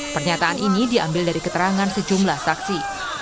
pernyataan ini diambil dari keterangan sejumlah saksi